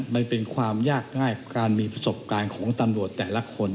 มันเป็นความยากง่ายของการมีประสบการณ์ของตำรวจแต่ละคน